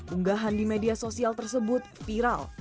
unggahan di media sosial tersebut viral